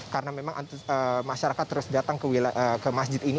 karena memang masyarakat terus datang ke masjid ini